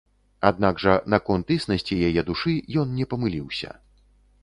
Аднак жа наконт існасці яе душы ён не памыліўся.